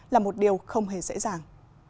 là một điều không hề dễ dàng